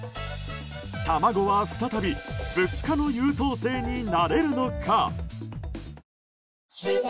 卵は、再び物価の優等生になれるのか。